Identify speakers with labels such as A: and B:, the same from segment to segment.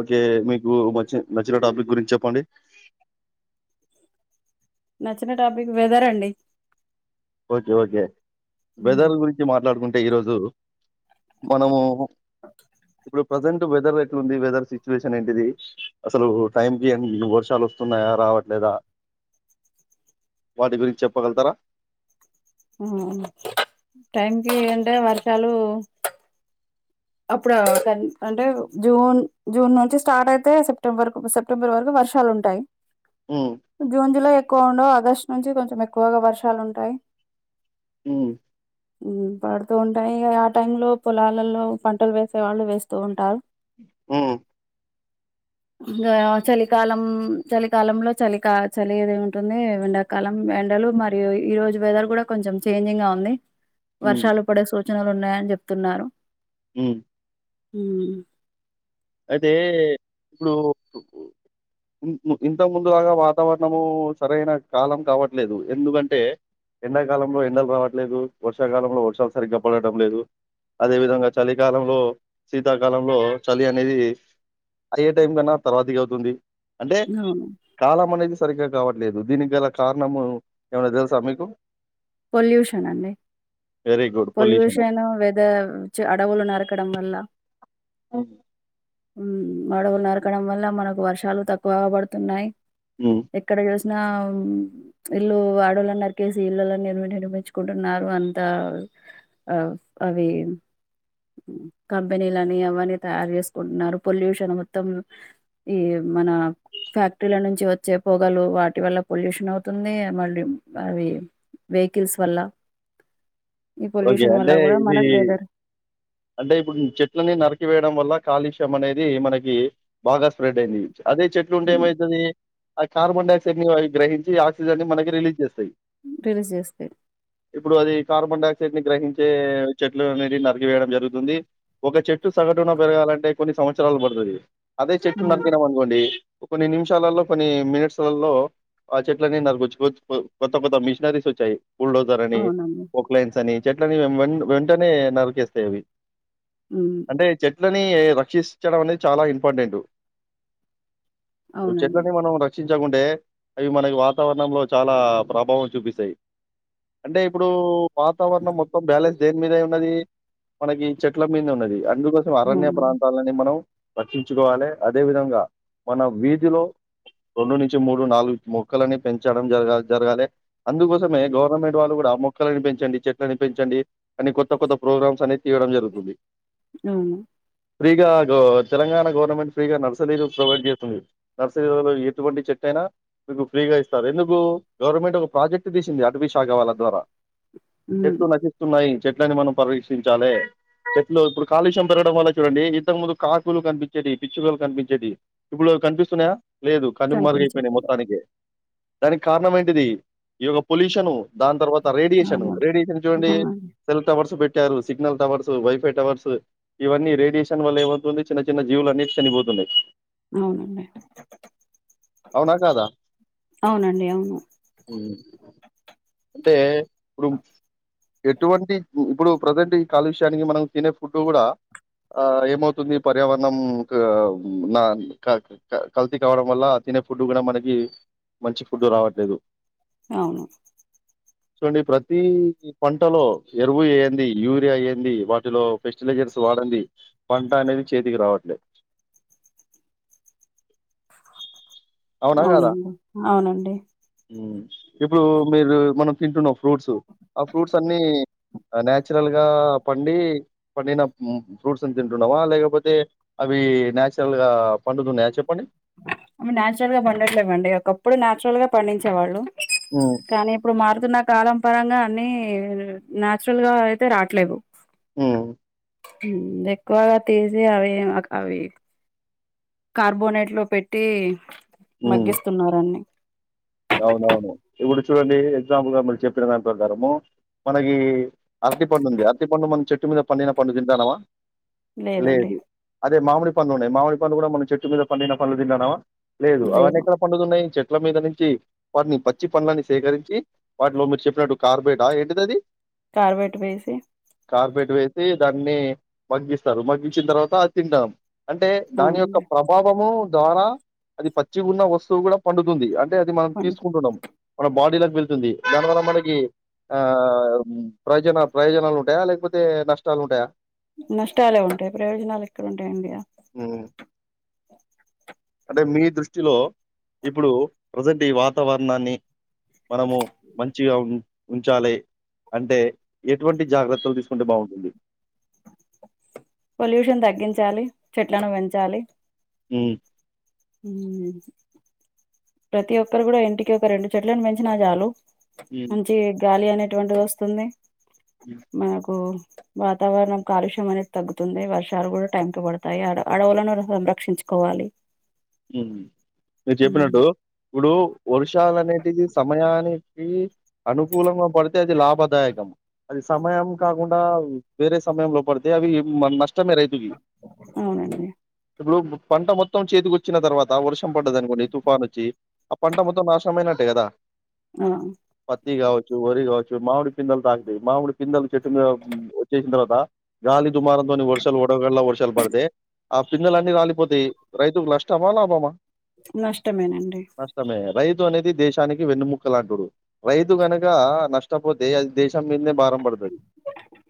A: Okay మీకు వచ్చి నచ్చిన టాపిక్ గురించి చెప్పండి
B: నచ్చిన టాపిక్ వెదర్ అండి
A: ఓకే ఓకే వెదర్ గురించి మాట్లాడుకుంటే ఈ రోజు దు మనము ఇప్పుడు ప్రెసెంట్ వెదర్ ఎట్లుంది వెదర్ సిచ్యువేషన్ ఏంటిది అసలు టైంకీ ఎ న్ వర్షాలు ఒస్తున్నాయా రావట్లేదా వాటి గురించెప్పగల్తారా
B: హమ్ టైంకి అంటే వర్షాలు అప్పుడా అంటే జూన్ జూన్ నుంచి స్టార్ట్ ఐతే సెప్టెంబర్కు సెప్టెంబర్ వరకు వర్షాలుంటాయి
A: ఉమ్,
B: జూన్ జులై ఎక్కువ ఉండవ ఆగస్ట్ నుంచి కొంచం ఎక్కువగా వర్షాలుంటాయి
A: ఉమ్,
B: ఉమ్ పాడుతూ ఉంటాయి ఆ టైం లో పొలాలల్లో పంటలు వేసే వాళ్ళు వేస్తూ వుంటారు
A: ఉమ్
B: ఇంగా చలికాలం చలికాలంలో చలిక చలి ఇది ఉంటుంది ఎండాకాలం ఎండలు మరియు ఈ రోజు వెదర్ గుడా కొంచం చేంజింగ్ గా ఉంది
A: ఉమ్,
B: వర్షాలు పడే సూచనలున్నాయని జెప్తున్నారు
A: ఉమ్
B: ఉమ్మ్
A: ఐతే ఇప్పుడు ఉమ్మ్ ఇంతక్ముందులాగ వాతావరణము సరైన కాలం కావట్లేదు ఎందుకంటే ఎండాకాలంలో ఎండలు రావట్లేదు వర్షాకాలంలో వర్షాలు సరిగ్గా పడటం లేదు అదే విధంగా చలికాలంలో శీతాకాలంలో చలి అన్ అనేది అయ్యేటైం కన్నా తర్వాతికి అవుతుంది అంటే
B: అవును.
A: కాలం అనేది సరిగా కావట్లేదు దీనిగ్గలా కారణము ఎమన్నా తెల్సా మీకు
B: పొల్యూషనండి
A: వెరీ గుడ్ పొల్యూషను.
B: పొల్యూషన్ వేద చ్ అడవులు నరకడం వల్ల
A: ఉమ్
B: మ్ అడవుల్ నరకడం వల్ల మనకు వర్షాలు తక్కువగా బడుతున్నాయి
A: హ్మ్.
B: ఎక్కడ జూస్న్ నా ఇల్లు అడవులను నర్కేసి ఇల్లల్ల నిర్మి-నిర్మించుకుంటున్నారు అంతా ఆ అవి కంపెనీలని అవ్వనీ తయారు జేస్కుంటున్నారు పొల్యూషను మొత్తం ఈ మనా ఫ్యాక్టరీల నుంచి ఒచ్చే పొగలు వాటి వల్ల పొల్యూషన్ అవుతుంది మళ్ళీ అవి వేహికిల్స్ వల్ల ఈ
A: ఓకే.
B: పొల్యూషన్ వల్ల
A: అంటే
B: గుడా
A: ఇది
B: మనక్ వెదర్
A: అంటే ఇప్పుడ్ చెట్లని నరికివేయడం వల్ల కాలుష్యం అనేది మనకి బాగా స్ప్రెడ్ ఐంది అదే చెట్లు
B: హ్మ్.
A: ఉంటేమైయితది ఆ కార్బన్ డైయాక్సైడ్ని గ్రహించి ఆక్సిజన్ని మనకి రిలీజ్ జేస్తయ్
B: రిలీజ్ జేస్తే
A: ఇప్పుడు అది కార్బన్ డైయాక్సైడ్ని గ్రహించే చెట్లు అనేటి నరికివేయడం జర్ గుతుంది ఒక చెట్టు సగటున పెరగాలంటే కొన్ని సంవత్సరాలు పడుతది అదే చెట్టు
B: హ్మ్
A: నరికినమనుకోండి కొన్ని నిమిషాలల్లో కొన్ని మినిట్స్లల్లో ఆ చెట్ల ని నరకచ్చు కొత్త కొత్త మిష్నరీష్ ఒచ్చాయి బుల్డోజర్ అని
B: అవునండి
A: పోక్లైన్స్ అని చెట్లని వెంట్-వెంటనే నరికేస్తాయవీ
B: హ్మ్
A: అంటే చెట్లని రక్షింష్ చడం అనేది చాలా ఇంపార్టెంటు
B: అవునండి
A: చెట్లని మనము రక్ష్ రక్షించకుంటే అవి మనకు వాతావరణంలో చాలా ప్రభావం చూపిస్తాయ్ అంటే ఇప్పుడు వాతావరణం మొత్తం బ్యాలెన్స్ దేన్మీదైయున్నది మనకి చెట్ల మీద్నె ఉన్నది అందుకోసం అరణ్య
B: అవును
A: ప్రాంతాలని మనం రక్షించుకోవాలే అదే విధంగా మన వీధిలో రెండు నించి మూడు నాలుగు మొక్కలని పెంచడం జరగా జర్గాలే అందుకోసమే గవర్నమెంట్ వాళ్ళు గూడా అ మొక్కలని పెంచండి చెట్లని పెంచండి అని కొత్త కొత్త ప్రోగ్రామ్స్ అనే తీయడం జరుగుతుంది
B: ఔనా
A: ఫ్రీగా గ్ తెలంగాణ గవర్నమెంట్ ఫ్రీగా నర్సరీలు ప్రొవైడ్ జేస్తుంది నర్సరీలు ఎటువంటి చెట్టే యేన మీకు ఫ్రీగా ఇస్తారు ఎందుకు గవర్నమెంట్ ఒక ప్రాజెక్ట్ దీసింది అటవీ శాఖ వాళ్ళ ద్వారా
B: హ్మ్
A: చెట్లు నశిస్తున్నయి చెట్లని మనం పరిరక్షించాలే చెట్లు ఇప్పుడు కాలుష్యం పెరగడం వల్ల చూడండి ఇంతకముందు కాకులు కనిపించేటియి పిచ్చుకలు కనిపించేటియి ఇప్పుడు డ్ కనిపిస్తున్నాయా లేదు
B: ప్రార్థన
A: కనుమరుగయిపోయినయ్
B: చేస్తారు
A: మొత్తానికే దానికి కారణమేంటిది ఈ ఒక పొల్యూషను దాని తర్వాత త రేడియేషను
B: అవునండి
A: రేడియేషన్ని చూడండి
B: అవునండి
A: సెల్టవర్స్ పెట్టారు సిగ్నల్ టవర్సు వైఫై టవర్సు ఇవన్నీ రేడియేషన్ వల్ల ఏమవుతుంది చిన్న చిన్న జీవులు అన్ని చనిపోతున్నాయి
B: అవునండీ అవునండ్
A: ఉహ్మ్ అంటే ఇపుడ్మ్ ఎటువంటి ఇప్పుడు ప్రజెంట్ ఈ కాలుష్యానికి మనం తినే ఫుడ్ గూడా ఆ ఏమవుతుంది పర్యావరణం క్ నా కా క కల్తీ కావడం వల్ల అతీ తినే ఫుడ్ గూడా మనకి మంచి ఫుడ్ రావట్లేదు
B: అవును
A: చూండండి ప్రతీ పంటలో ఎరువు ఏయంది యూరియా ఏంది వాటిలో ఫెస్టిలైజర్స్ వాడండి పంట అనేది చేతికి రావట్లే
B: అవునండి అవునండి
A: ఉమ్ ఇపుడు మీరు మనం తింటున్న ఫ్రూట్స్ ఆ ఫ్రూట్స్ అన్నీ న్యాచురల్ గా పండి పండిన మ్ ఫ్రూట్స్ ని తింటున్నమా లేకపోతే అవి వీ న్యాచురల్ గా పండుతున్నయా చెప్పండి
B: న్యాచురల్ గా పండట్లేవండి ఒకప్పుడు న్యాచురల్గా పండించేవాళ్ళు
A: ఉమ్,
B: కానీ ఇపుడు మారుతున్న కాలం పరంగా అన్నీ న్యాచురల్ గా అయితే రాట్లేవు
A: ఉమ్మ్
B: హుమ్ ఎక్కువగా తీసి అవి అక్ అవి కార్బోనేట్ లో పెట్టి
A: ఉమ్.
B: మగ్గిస్తున్నారన్ని
A: అవునవును ఇపుడు చూడండి ఎగ్జాంపుల్గా మీరు చెప్పిన దాని ప్రకారము మనకి అరటి పండు ఉంది అరటి పండు మనం చెట్టు మీద పండిన పండు తింటాన్నమా
B: లేదండి
A: లేదు అదే మామిడి పండ్లు ఉన్నాయి మామిడి పండు కూడా మనం చెట్టు మీద పండిన పండ్లు తింటనమా లేదు అవన్నీ ఎక్కడ పండుతున్నాయి చెట్ల మీద నుంచి వాటిని పచ్చి పండ్లని సేకరించి వాటిలో మీరు చెప్పినట్టు కార్బేటా ఏంటిదది
B: కార్బేట్ వేసి
A: కార్పెట్ వేసి దాన్ని మగ్గిస్తరు మగ్గించిన తర్వాత అది తింటాం అంటే దాని యొక్క
B: అవునండి
A: ప్రభావమూ ద్వారా అది పచ్చిగున్న వస్తువు గూడా పండుతుంది అంటే అది మనం
B: పండి
A: తీసుకుంటున్నము మన బాడీలకి వెళ్తుంది దానివల్ల మనకి ఆ ప్రయోజన ప్రయోజనాలు ఉంటయా లేకపోతే నష్టాలు ఉంటయా
B: నష్టాలే ఉంటాయి ప్రయోజనాలు ఎక్కడ ఉంటాయండి ఇగా
A: హ్మ్. అంటే మీ దృష్టిలో ఇపుడు ప్రజెంట్ ఈ వాతావరణాన్ని మనము మంచిగా ఉన్ ఉంచాలే అంటే ఎటువంటి జాగ్రత్తలు దీసుకుంటే బావుంటుంది
B: పొల్యూషన్ తగ్గించాలి చెట్లను వెంచాలి
A: ఉమ్మ్
B: ఉమ్ ప్రతి ఒక్కరు గూడా ఇంటికి ఒక రెండు చెట్లలను పెంచినా చాలు
A: ఉమ్
B: మంచి గాలి అనేటువంటిది వొస్తుంది మనకు వాతావరణం కాలుష్యం అనేది తగ్గుతుంది. వర్షాలు కూడా టైం టూ పడతాయి అడ్ అడవులను సమ్ సంరక్షించూ కోవాలి
A: మ్మ్ మీర్జెప్పినట్టు ఇప్పుడు వర్షాలు అనేటివి సమయాని కీ అనుకూలంగా పడితే అది లాభదాయకం అది సమయం కాకుండా వేరే సం లోపల పడితే అవి మనష్
B: అవునండి
A: ఇప్పుడు పంట మొత్తం చేతికో చ్చిన తర్వాత వర్షం పడ్డదనుకోండి తుఫానొచ్చి ఆ పంట మొత్తం నాశనంమైనట్టే కదా
B: ఆ
A: పత్తి కావచ్చు, వరి కావచ్చు మామిడి పిందల్ తాకుతై మామిడి పిందలు చెట్టు మీద వచ్చేసిన తర్వాత గాలి దుమారంతోని వర్షాలు వడగల్లా వర్షాలు పడితే ఆ పిదేలూ అన్నీ రాలిపోతయి రైతుకు నష్టమా లాభమా
B: నష్టమేనండి
A: నష్టమే. రైతు అనేది దేశానికి వెన్నుముక్క లాంటోడు రైతు కనక నష్టపోతే అది దేశ త్తం మీమీదనే భారం పడుతది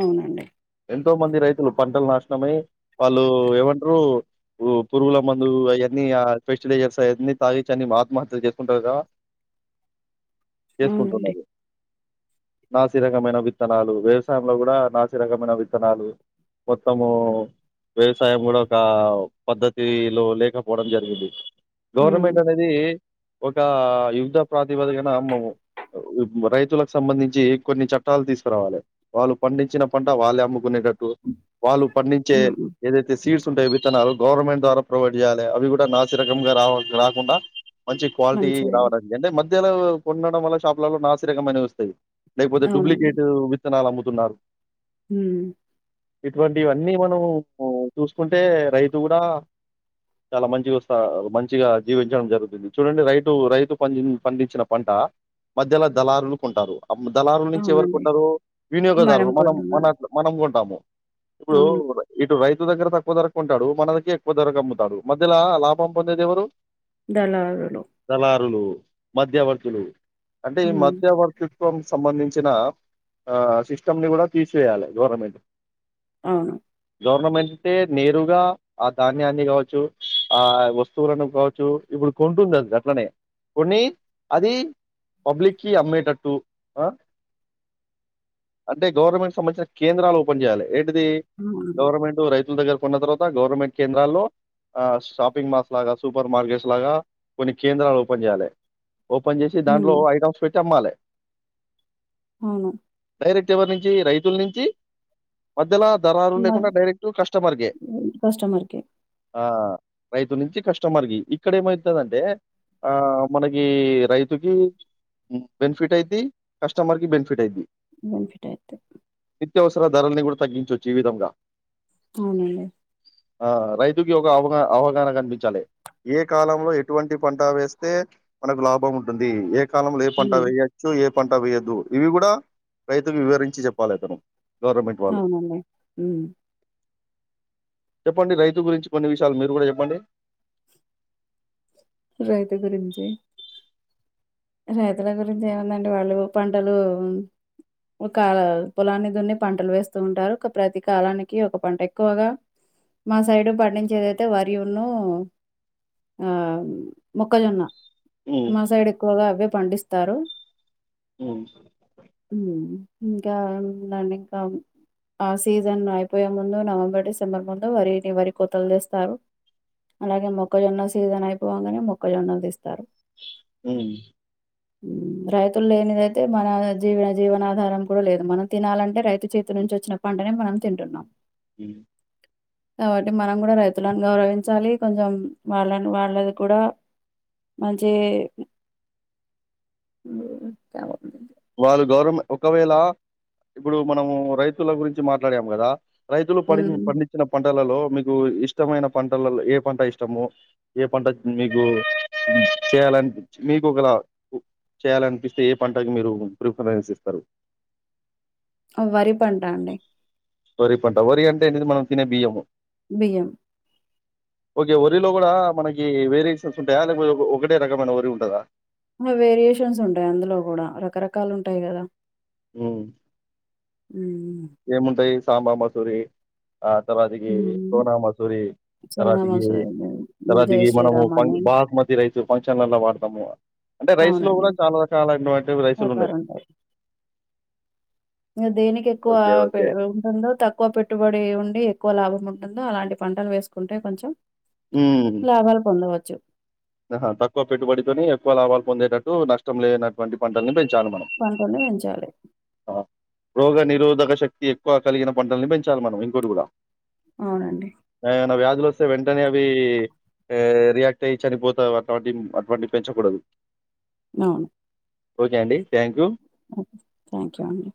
B: అవునండి
A: ఎంతో మంది రైతులు పంటలు నాశనమై వాళ్లూ ఏమంటరూ పురుగుల మందూ అన్నీ ఆ ఫర్టిలైజర్స్ అయన్ని తాగిచ్చని ఆత్మహత్యలు చేసుకుంటారా
B: అవునండి
A: చేసుకుంటున్నారు నాసి రకమైన విత్తనాలు వ్యవసాయంలో కూడా నాసి రకమైన విత్తనాలు మొత్తము వ్యవసాయం కూడా ఒక పద్ధతిలో లేకపో పోవడం జరిగింది
B: ఉమ్
A: గవర్నమెంట్ అనేది ఒకా యుద్ధ ప్రాతిపదికన అన్నము రైతులకు సంబంధించి కొన్ని చట్టాలు తీసుకురావాలి వాళ్ళు పండించిన పంట వాళ్ళే అమ్ముకునేట వాళ్ళు పండించే
B: ఉమ్
A: ఏదైతే సీడ్స్ ఉంటాయో విత్తనాలు గవర్నమెంట్ ద్వారా ప్రొవైడ్ చేయాలి అవి కూడా నాసి రకంగా రా రాకుండా మంచి క్వాలిటీ
B: మంచిది
A: రావడానికి అంటే మధ్య ధ్యాలో కొనడం వల్ల షాప్లల్లో నాసి రకమైన ఒస్తాయి లేకపోతే
B: అవునండి
A: డూప్లికేట్ విత్తనాలు అమ్ముతున్నారు
B: ఉమ్
A: ఇటువంటివన్నీ మనం చూసుకుంటే రైతు కూడా చాలా మంచిగా వస్తా మంచిగా జీవించడం జరుగుతుంది చూడండి రైతు రైతు పండి పండించిన పంటా మధ్యలో దళారులు కొంటారు దళారుల నుంచి ఎవరు
B: అవునండి
A: కొంటారు వినియోగదారులు మనం మన మనం కొంటాము ఇప్పుడు
B: అవును
A: ఇటు రైతు దగ్గర తక్కువ ధరకొంటాడు మన దగ్గర ఎక్కువ ధరకమ్ముతాడు మధ్యలా లాభం పొందేదెవరు
B: దళారులు
A: మధ్యవర్తులు అంటే ఈ
B: ఉమ్
A: మధ్యవర్తిత్వం సంబంధించిన ఆ సిస్టమ్ని కూడా తీసేయాలి గవర్నమెంట్
B: అవును
A: గవర్నమెంటే నేరుగా ఆ ధాన్యాన్ని కావచ్చు ఆ వస్తువులను కావచ్చు ఇప్పుడు కొంటుంది అది అట్లనే కొన్ని అది పబ్లిక్కిి అమ్మేటట్టు అ అంటే గవర్నమెంట్కి సంబంధించిన కేంద్రాలు ఓపెన్ చేయాలి ఏ టిది
B: అవును.
A: గవర్నమెంట్ రైతుల దగ్గర కొన్న తర్వాత గవర్నమెంట్ కేంద్రాల్లో ఆ షాపింగ్ మాల్స్, లాగా సూపర్ మార్కెట్స్, లాగా కొన్ని కేంద్రాలు ఓపెన్ చేయాలి ఓపెన్ చేసి దాంట్లో
B: హ్మ్.
A: ఐటమ్స్ పెట్టి అమ్మాలి
B: అవును
A: డైరెక్ట్ ఎవరి నుంచి రైతులనుంచి మధ్యలా దళారులు
B: మరి
A: లేకుండా డైరెక్ట్ కస్టమర్ కె
B: కస్టమర్‌కే
A: ఆ రైతు నుంచి కస్టమర్కి ఇక్కడ ఏమైతదంటే ఆ మనకి రైతుకి బనిఫిట్ ఐద్ది కస్టమర్కి బనిఫిట్ ఐద్ది
B: బెనిఫిటైద్ధి
A: నిత్యవసర ధరల్ని కూడా తగ్గించవచ్చు ఈ విధంగా
B: అవునండి
A: ఆ రైతుకి ఒక అవగా అవగాహన కనిపించాలి ఏ కాలంలో ఎటువంటి పంటా వేస్తే మనకు లాభం ఉంటుంది ఏ ఎ కాలంలో ఏ పంట
B: హ్మ్.
A: వెయచ్చు ఏ పంట వేయదు ఇవి కూడా రైతువివరించి చెప్పాలి అతను
B: అవును అండి ఉమ్
A: చెప్పండి రైతు గురించి కొన్ని విషయాలు మీరు కూడా చెప్పండి
B: రైతు గురించి రైతుల గురించి ఏముంది అండి వాళ్ళు పంటలు మ్ ఒక ఆ పొలాన్ని దున్ని పంటలు వేస్తుంటారు ఒక ప్రతి కాలానికి ఒక పంట ఎక్కువగా మా సైడు పండించేదైతే వరి యును ఆ మొక్కజొన్న
A: హ్మ్.
B: మ సైడు ఎక్కువగా అవె పండిస్తారు
A: [inaudible]
B: హ్మ్ ఇంకా దాని ఇక ఆ సీజన్ అయిపోయేముందు నవంబర్ డిసెంబర్ ముందు వరిని వరి కొతలు చేస్తారు అలాగే మొక్కజొన్న సీజన్ అయిపోవగానే మొక్కజొన్నలు తీస్తారు
A: మ్
B: రైతులు లేనిదైతే మన జీవాన జీవనాధారం కూడా లేదు మనం తినాలంటే రైతు చేతిల్ నుంచి వచ్చిన పంటనే మనం తింటున్నాం
A: [inaudible]
B: కావట్టి మనం కూడా రైతులను గౌరవించాలి కొంచెం వాళ్ళని వాళ్ళది కూడా మంచి
A: వాళ్ళు గవరమె ఒకవేళ ఇప్పుడు మనము రైతుల గురించి మాట్లాడాం కదా రైతులు పడిన్
B: హ్మ్.
A: పండించిన పం టలలో మీకు ఇష్టమైన పంటలలో ఏ పంట ఇష్టము ఏ పంట మీకు చేయాలన్ పి మీకు ఒకలా చేయాలనిపిస్తే ఏ పంటకు మీరు ప్రిఫరెన్స్ ఇస్తరు
B: ఆ వరి పంట అండి
A: వరిపంటా వరి అంటే ఏంటిది మనం తినే బియ్యము
B: బియ్యం
A: ఒకే వరిలో కూడా మనకి వేరియేషన్స్ ఉంటాయా లేకపో ఒకటే రకమైన వరి ఉంటదా
B: హ వెరియేషన్స్ ఉంటాయి అందులో కూడా రకరకాలు ఉంటాయి కదా
A: మ్ ఏముంటాయి సాంబ మసురి ఆ తర్వాతకి సోనామాసూరి
B: సోనా
A: తర్వాతకి
B: మసూరి జై
A: తర్వాతకి మనము
B: శ్రీరామ్
A: ఫంక్
B: అని
A: బాస్మతి రైసు ఫంక్షన్లల వాడ్తాము కదా అంటే రైసు లో
B: అవునండి
A: కూడా చాలా రకాలుటువంటి రైసులు ఉన్నాయి
B: ప్రకారం ఉంటాయి. ఇగ దేనికి ఎక్కువ
A: ఓకే.
B: Pay
A: okay.
B: ఉంటుందొ తక్కువ పెట్టుబడి ఉండి ఎక్కువ లాభం ఉంటుందో అలాంటి పంటలు వేసుకుంటే కొంచెం
A: హ్మ్.
B: లాభాలు పొందవచ్చు
A: ఆహా తక్కువ పెట్టుబడితొని ఎక్కువ లాభాలు పొందేటట్టు నష్టం లేనటివంటి పంటలను పెం
B: పంటని పెంచాలి
A: రోగానిరోధక శక్తి ఎక్కువ కలిగిన పంటలని పెంచాలి మనం ఇంకోటి కూడా
B: అవునండి
A: దులు వస్తే వెంటనే అవి ఆ రియాక్ట్ అయి చనిపోతావ్ అటువంటి అటువంటి పెంచకూడదు
B: అవును
A: ఓకే అండి థాంక్యూ
B: ఒకే థాంక్యూ అండి